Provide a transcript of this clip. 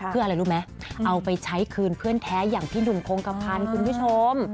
เพื่ออะไรรู้ไหมเอาไปใช้คืนเพื่อนแท้อย่างพี่หนุ่มคงกระพันธ์คุณผู้ชม